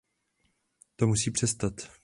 To musí přestat!